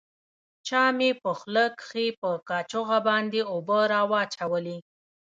چا مې په خوله کښې په کاشوغه باندې اوبه راواچولې.